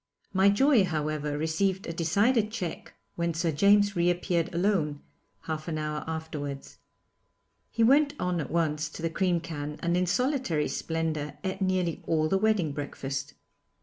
My joy, however, received a decided check when Sir James reappeared alone, half an hour afterwards. He went at once to the cream can and in solitary splendour ate nearly all the wedding breakfast.